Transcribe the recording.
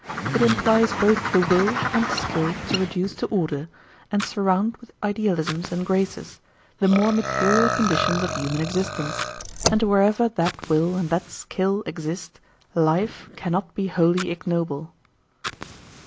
It implies both the will and the skill to reduce to order, and surround with idealisms and graces, the more material conditions of human existence; and wherever that will and that skill exist, life cannot be wholly ignoble.